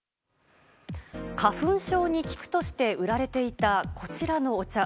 花粉症に効くとして売られていた、こちらのお茶。